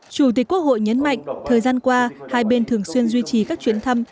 chủ tịch quốc hội nhấn mạnh thời gian qua hai bên thường xuyên duy trì các chuyến thăm